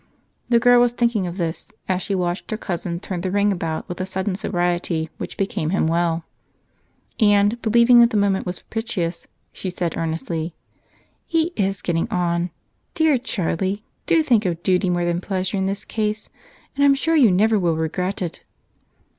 The girl was thinking of this as she watched her cousin turn the ring about with a sudden sobriety which became him well; and, believing that the moment was propitious, she said earnestly: "He is getting on. Dear Charlie, do think of duty more than pleasure in this case and I'm sure you never will regret it."